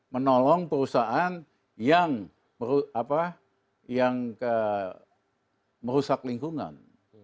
menolong perusahaan yang merusak lingkungan